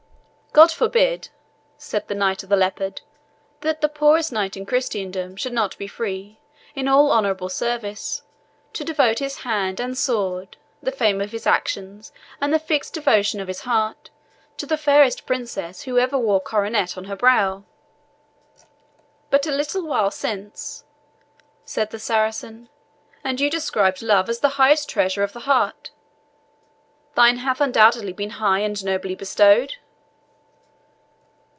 "God forbid," said the Knight of the Leopard, "that the poorest knight in Christendom should not be free, in all honourable service, to devote his hand and sword, the fame of his actions, and the fixed devotion of his heart, to the fairest princess who ever wore coronet on her brow!" "But a little while since," said the Saracen, "and you described love as the highest treasure of the heart thine hath undoubtedly been high and nobly bestowed?"